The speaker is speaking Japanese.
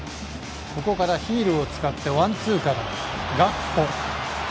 ここからヒールを使ってワンツーからガクポ。